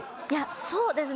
そうですね。